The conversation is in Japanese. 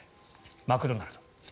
マクドナルド。